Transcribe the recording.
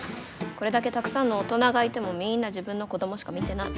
これだけたくさんの大人がいてもみんな自分の子供しか見てない。